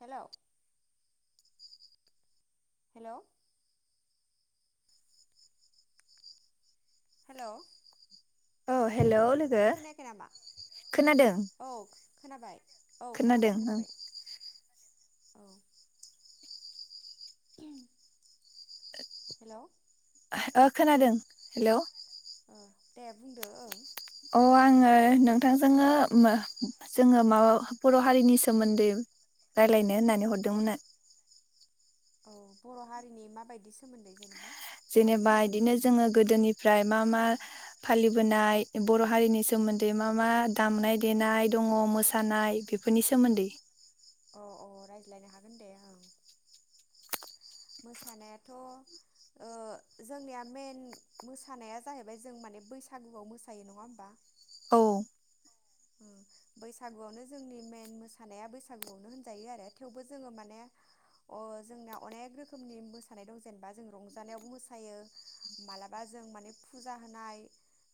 हेल' hello hello अ hello खोनायाखै नामा औ खोनाबाय औ खोनाबाय खोनादों ओं खोनाबाय औ हेल' ओ खोनादों हेलौ ओ दे बुंदो ओं अ आङो नोंथांजोंनो जोङो माबा बर' हारिनि सोमोन्दै रायलायनो होननानै हरदोंमोन न औ बर' हारिनि माबायदि सोमोन्दै जेनेबा मानि जेनेबा सोमोन्दै इदिनो जोङो गोदोनिफ्राय मा मा मा फालिबोनाय बर' हारिनि सोमोन्दै मा मा दामनाय देनाय दङ मोसानाय बेफोरनि सोमोन्दै अ अ रायज्लायनो हागोन दे ओं मोसानायाथ' जोंनिया मेन मोसानाया जाहैबाय जों माने बैसागुआव मोसायो नङा होमबा औ बैसागुआवनो जोंनि मेेन मोसानाया बैसागुआवनो होनजायो आरो थेवबो जोङो माने जोंनाया अनेख रोखोमनि मोसानाय दं जेनेबा जों रंजानायावबो मोसायो मालाबा जों माने फुजा होनाय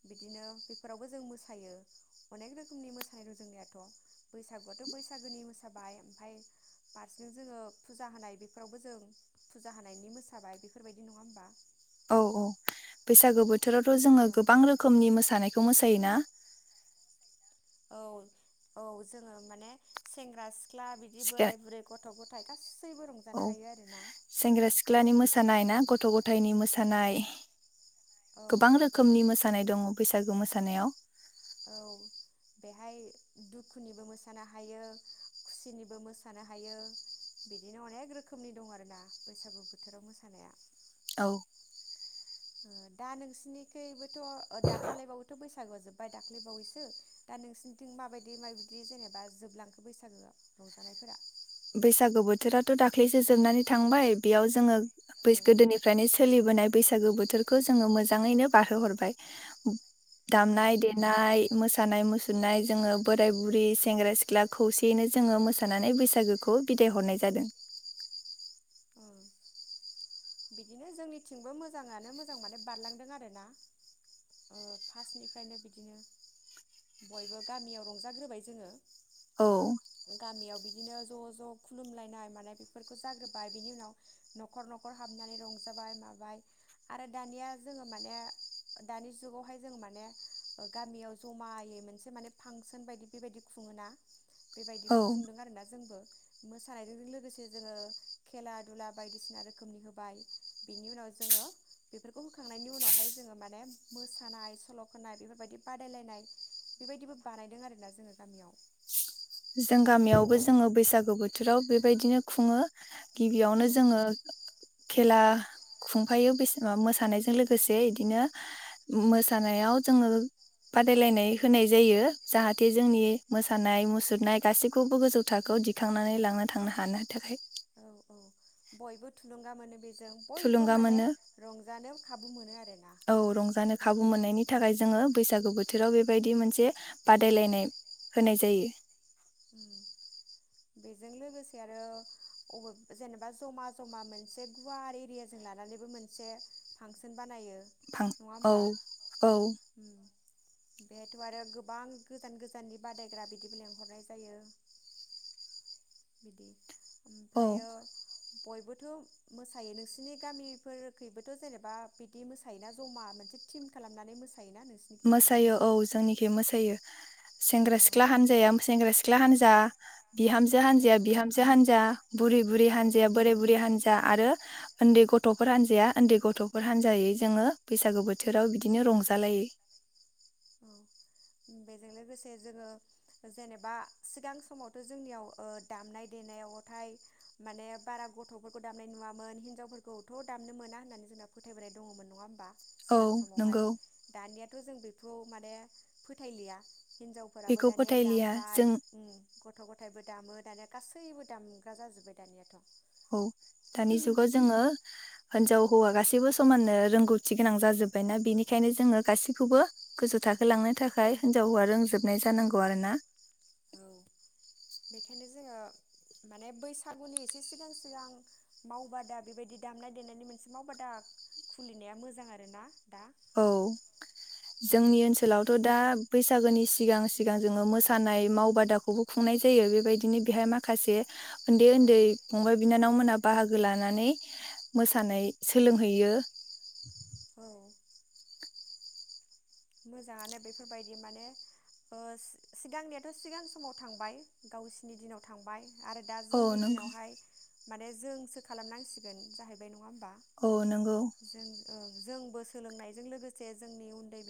बिदिनो बेफोरावबो जों मोसायो अनेक रोखोम रोखोमनि मोसानाय दं जोंनियाथ' बैसागुआथ' बैसागोनि मोसाबाय ओमफफ्राय फारसें जोङो फुजा होनाय बेफोरावबो जों फुजा होनायनि मोसाबाय बेफोरबायदि नङा होमबा औ औ बैसागो बोथोरावथ' जोङो ओं गोबां रोखोमनि मोसानायखौ मोसायोना औ औ जोङो माने सेंग्रा सिख्ला सिख्ला बिदि सिख्ला बोराइ बुरै गथ' गथाय [unintelligible] औ हायो आरोना सेंग्रा सिख्लानि बिदि मोसानाय ना गथ' गथाइनि मोसानाय औ गोबां औ रोखोमनि मोसानाय दङ बैसागु मोसानायाव [unintelligible] औ बेहाय दुखुनिबो मोसानो हायो खुसिनिबो मोसानो हायो बिदिनो अनेख रोखोमनि दं आरोना बैसागु बोथोराव मोसानाया औ दा नोंसोरनिखैबो दाखालै बावैथ' बै बैसागोआ जोब्बाय दाख्लैबावैसो दा नोंसोरनिथिं माबायदि माबायदि जेनेबा जोबलांखो बैसागोआव रंजानायफोरा बैसागु बोथोराथ' दाख्लैसो जोबनानै थांबाय बेयाव जोङो औ बैसो गोदोनिफ्रायनो सोलिबोनाय बैसागो बोथोरखौ जोङो मोजाङैनो बारहो हरबाय। औ दामनाय देनाय। मोसानाय मुसुरनाय जोङो बोराय बुरै सेंग्रा सिख्ला खौसेयैनो जोङो मोसानानै बैसागो खौ बिदाय हरनाय जादों। औ। बिदिनो जोंनिथिंबो मोजाङानो मोजां माने बारलांदों आरोना फार्स्टनिफ्रायनो बिदिनो बयबो गामियाव रंजाग्रोबाय जोङो। औ गामियाव। बिदिनो ज' ज' खुलुमलायनाय मानाय बेफोरखौ जाग्रोबाय बिनि उनाव न'खर न'खर नखर हाबनानै रंजाबाय माबाय आरो दानिया जोङो माने दानि जुगावहाय जों माने गामियाव जमायै मोनसे माने फांसन बायदि बेबायदि खुङोना। औ बेबायदिबो खुंदों आरोना जोंबो। मोसानायजों लोगोसे जोङो खेला दुला बायदिसिना रोखोम। रोखोमनि होबाय बिनि उनाव जोङो बेफोरखौ होखांनायनि उनावहाय जोङो माने मोसानाय सल' खाय बेफोर बायदि बादायलायनाय बेबायदिबो बानायदों आरोना जोङो गामियाव। जों गामियावबो जोङो बैसागु बोथोराव बेबायदिनो खुङो। औ गिबियावनो जोङो। खेला खुंफायो बे मोसानायजों लोगोसे बिदिनो मोसानायाव जोङो बादायलायनाय होनाय जायो जाहाथे जोंनि मोसानाय मुसुर नाय गासैखौबो गोजौ थाखोआव दिखांनानै लांनो थांनो हानो थाखाय। औ औ बयबो थुलुंगा मोनो बे। जों बयबो थुलुंगा माने मोनो रंजानो खाबु मोनो आरोना औ रंजानो खाबु बिदिनो। मोननायनि थाखाय जोङो बैसागु बोथोराव बेबायदि मोनसे बादायलायनाय होनाय जायो। बेजों लोगोसे आरो अबे जेनेबा जमा जमा मोनसे गुवार एरियाजों लानानैबो मोनसे फांसन बानायो। नङा औ होमबा औ। उम बेहायथ' आरो गोबां गोजान गोजाननि बादायग्रा बिदिबो लेंहरनाय। जायो बिदि। औ। ओमफ्रायो बयबोथ' मोसायो नोंसिनि गामिफोरखैबोथ' जेनेबा बिदि मोसायोना जमा मोनसे थिम खालामनानै मोसायो। मोसायो औ जोंनिखि मोसायो। सेंग्रा सिख्ला हानजाया सेंग्रा सिख्ला। हान्जा। बिहामजो औ हानजाया बिहामजो हानजा बुरै बुरै हानजाया औ बोराय बुरै हानजा। आरो उन्दै गथ'फोर हान्जाया उन्दै गथ'फोर हानजायै जोङो बैसागो बोथोराव बिदिनो रंजालायो। औ बेजों लोगोसे जोङो जेनेबा सिगां समावथ' जोंनियाव दामनाय देनायावथाय माने बारा गथ'फोरखौ दामनाय नुवामोन हिनजावफोरखौथ' दामनो मोना होननानै जोंना फोथायबोनाय दङमोन नङा होमबा। औ सिगां नंगौ समावहाय दानिया। थ' जों बे खौ माने फोथायलिया। हिनजावफोराबो बेखौ दानिया फोथायलिया दामबाय जों गथ' गथायाइबो दामो दानिया गासैबो दामग्रा जाजोबबाय दानियाथ'। औ दानि जुगाव जोङो हिनजाव हौवा गासैबो समाननो रोंगौथि गोनां जाजोब्बायना बेनिखायनो जोङो गासैखौबो गोजौ थाखोलांनो थाखाय हिनजाव हौवा रोंजोबनाय जानांगौ आरोना। औ बेखायनो जोङो माने बैसागुनि एसे सिगां सिगां मावबादा बेबायदि दामनाय देनायनि मोनसे मावबादा खुलिनाया मोजां आरो ना औ जोंनि ओनसोलावथ' दा बैसा सागोनि सिगां सिगां जोङो मोसानाय मावबादाखौबो खुंनाय जायो बेबायदिनो बेहाय माखासे उन्दै औ उन्दै फंबाय बिनानाव मोना बाहागो लानानै मोसानाय सोलोंहैयो औ मोजाङानो बेफोरबायदि माने ओ सिगांनियाथ' सिगां समाव थांबाय गावसिनि दिनाव थांबाय आरो दा औ जोंनि नंगौ दिनावहाय माने जोंसो खालामनांसिगोन जाहैबाय नङा होम औ नंगौ जोंबो सोलोंनायजों लोगोसे जोंनि उन्दै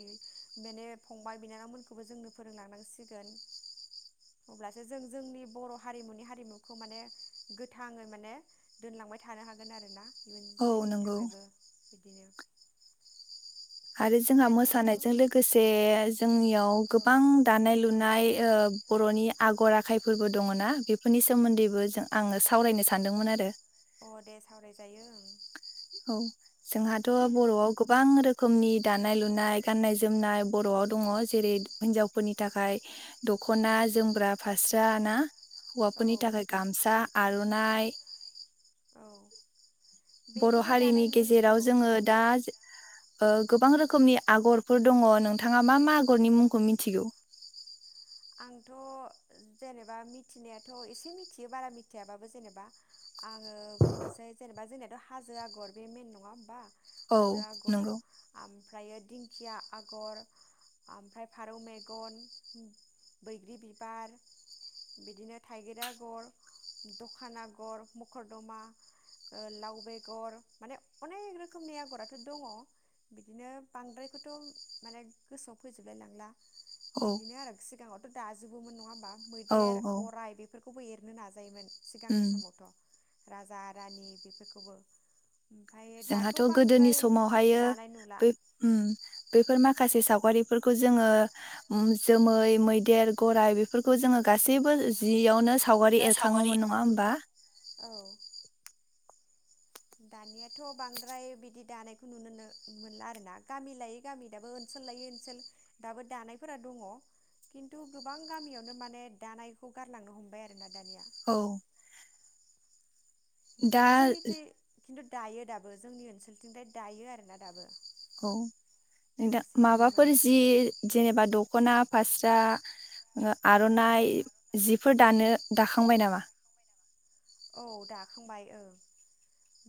माने फंबाय बिनानावमोनखौबो जोंनो फोरोंलांनांसिगोन अब्लासो जों जोंनि बर' हारिमुनि हारिमुखौ माने गोथाङै माने दोनलांबाय थानो हागोन आरो ना इुन औ जोलैनि नंगौ थाखायबो बिदिनो आरो जोंहा दानियाथ' मोसानाय जों लोगोसे जोंनियाव औ गोबां दानाय लुनाय ए ओ बर'नि आगर आखायफोरबो दङना बेफोरनि सोमोन्दैबो जों आङो सावरायनो सानदोंमोन आरो अ दे सावरायजायो ओं औ जोंहाथ' बर'आव गोबां रोखोम रोखोमनि दानाय लुनाय गाननाय जोमनाय बर'आव दङ जेरै हिन्जावफोरनि थाखाय दख'ना जोमग्रा फास्रा ना हौवाफोरनि ओं थाखाय गामसा आर'नाइ औ बर' बेखौथ' हारिनि दानाय लुनो गेजेराव औ जोङो दा ओ गोबां रो खोमनि नंगौ आगरफोर दङ नोंथाङा मा मा आगरनि मुंखौ मिथिगौ आंथ' जेनेबा मिथिनायाथ' एसे मिथियो बारा मिथियाबाबो जेनेबा आङो बुंनोसै जेनेबा जेनेबा हाजो आगर बे मेन नङा होनोमबा औ हाजो आगर नंगौ ओमफ्राय दिं दखिया आगर, ओमफ्राय फारौ मेगन बैग्रि बिबार, बिदिनो थाइगिर आगर, दखान आगर, मखरदमा, लाव बेगर, माने अनेख रोखोमनि आगराथ' दङ बिदिनो बांद्रायखौथ' माने गोसोआव फोजोबलाय लांला औ बिदिनो आरो सिगाङाव दाजोबोमोन नङा होमा औ मैदेर औ गराय बेफोरखौ खौबो एरनो नाजायोमोन उम सिगांनि समावथ' राजा रानि बेफोरखौबो ओमफ्राय जोंहाथ' दाथ' गोदोनि बांद्राय समावहायो दानाय नुला बै-बैफोर माखासे साव गारिफोरखौ जोङो जोमै मैदेर गराइ बेफोरखौ जोङो गासैबो जियावनो सावगारि एरखाङोमोन नङा होमबा औ दानियाथ' बांद्राय बिदि दानायखौ नुनो मोनला आरो ना गामि लायै गामि दाबो ओनसोल लायै ओनसोल दाबो दानायफोरा दङ खिन्थु गोबां गामियावनो माने दानायखौ गारलांनो हमबाय आरो ना दानिया औ दा बिदिनो जोंनिथं खिन्थु दायो दाबो जोंनि ओनसोलथिंफ्राय दायो आरोना दाबो औ नों दा गासैखौबो माबाफोर माने जि जेनेबा द' ख'ना फास्रा आर'नाइ जिफोर दानो दाखांबाय नामा औ दाखांबाय ओं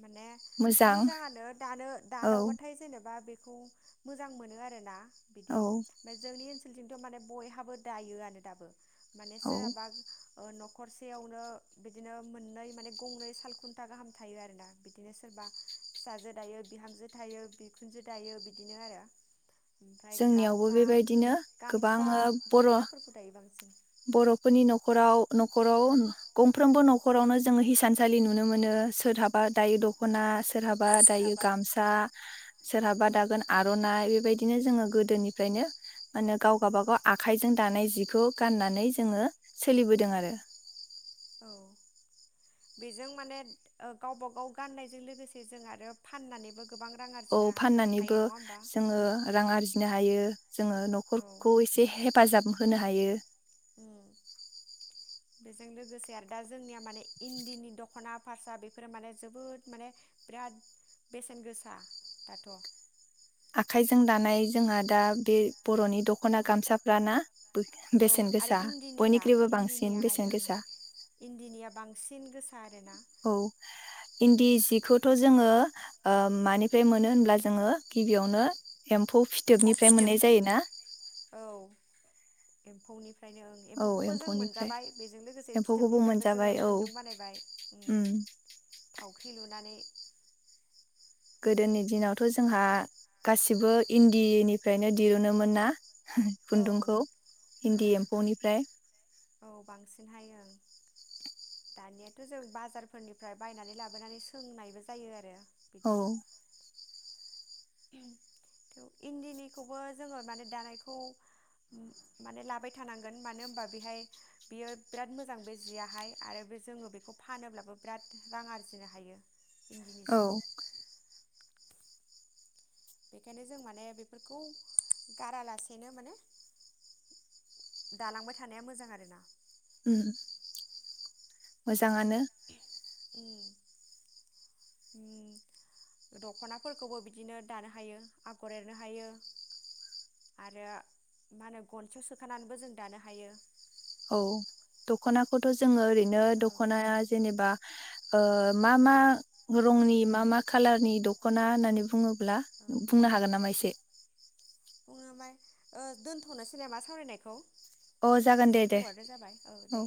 माने मोजां मोजाङानो दानो औ दादावबाथाय जेनेबा बे बे खौ मोजां मोनो आरोना बिदि औ जोंनि ओनसोल जोंनिथिंथ' माने बयहाबो दायोआनो दाबो। माने औ सोरहाबा ओ न'खरसेयावनो बिदिनो मोननै माने गंनै सालखुन्था गाहाम थायो आरो ना। बिदिनो सोरबा फिसाजो दायो बिहामजो थायो बिखुनजो दायो बिदिनो आरो ओमफ्राय जोंनियावबो गामसा बेबायदिनो गामसा गोबाङो बर' दख'नाफोरखौ दायो बांसिन बर'फोरनि न'खराव न' खराव गंफ्रोमबो न'खरावनो जोङो हिसानसालि नुनो मोनो। सोरहाबा दायो दख'ना सोरहाबा दायो गामसा सोरहाबा औ दागोन आर'नाइ बाय दिनो जोङो गोदोनिफ्रायनो मानो गाव गावबागाव आखाइजों दानाय जिखौ गाननानै जोङो सोलिबोदों आरो औ बेजों माने ओ गावबा गाव गाननायजों लोगोसे जों आरो फाननानैबो गोबां रां औ आरजिनो फाननानैबो हायो नङा होमबा जोङो रां आरजिनो हायो। जोङो औ न'खरखौ एसे हे फाजाब होनो हायो। बेजों लोगोसे आरो दा जोंनिया माने इन्दिनि दख'ना फारसा बेफोरो माने जोबोद माने बिराद बेसेन गोसा दाथ'। आखाइजों दानाय जोंहा दा बे बर'नि दख'ना गामसाफ्रा ना? औ बेसेन आरो गोसा इन्दिनिया बयनिख्रुइबो बांसिन इन्दिनियाहाय बेसेन ओं गोसा। इन्दिनिया बांसिन गोसा आरोना औ इन्दि जि खौथ' जोङो ओ मानिफ्राय मोनो होनब्ला जोङो गिबियावनो एम्फौ एम्फौ फिथोबनिफ्राय फिथोब मोननाय जायो ना? औ एम्फौनि फ्रायनो ओं औ एम्फौखौबो जों एम्फौनिफ्राय मोनजाबाय बेजों लोगोसे एम्फौखौबो फिथोबनिफ्रायबो मोनजाबाय जोङो औ खुन्दुं बानायबाय। ओम उम थाव ख्रि लुनानै गोदोनि दिनावथ' जोंहा गासैबो इन्दिनिफ्रायनो दिरुनोमोन ना? औ खुन्दुंखौ औ इन्दि एम्फौनिफ्राय। औ बांसिनहाय ओं। दानियाथ' जों बाजारफोरनिफ्राय बायनानै लाबोनानै सोंनायबो जायो आरो औ। बिदिनो इन्दिनिखौबो जोङो माने दानायखौ माने लाबाय थानांगोन। मानो होनबा बेहाय बियो बिराद मोजां बे जियाहाय आरो बे जोङो बेखौ फानोब्लाबो बिराद रां आरजिनो हायो। इन्दिनि औ। जिखौ बेखायनो जों माने बेफोरखौ गारालासेनो माने दालांबाय थानाया मोजां आरो ना। ओम मोजाङानो। ओम ओम। दखनाफोरखौबो बिदिनो दानो हायो आगर एरनो हायो आरो मा होनो गनसियाव सोखानानैबो जों दानो हायो। औ द'खनाखौथ' जोङो ओरैनो औ द'खनाया जेनेबा ओ मा मा औ रंनि मा मा खालारनि द'खना होननानै बुङोब्ला औ बुंनो हागोन नामा एसे? [unintelligible] ओ दोन्थ'नोसै नामा सावरायनायखौ? अ जागोन दे एसे दे गोबावानो जाबाय औ दे।